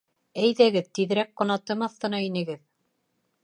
— Әйҙәгеҙ, тиҙерәк ҡанатым аҫтына инегеҙ.